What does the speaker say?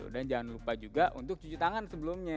dan jangan lupa juga untuk cuci tangan sebelumnya